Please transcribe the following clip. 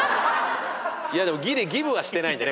でもぎりギブはしてないんでね